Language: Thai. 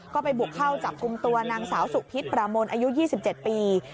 ก็ไปบุกเข้าจับกลุ่มตัวนางสาวสุพิษประมนอายุ๒๗ปี